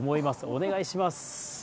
お願いします。